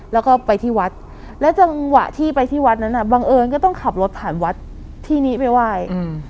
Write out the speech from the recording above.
แล้วก็ไปที่วัดและจังหวะที่ไปที่วัดนั้นอ่ะบังเอิญก็ต้องขับรถผ่านวัดที่นี้ไปไหว้อืม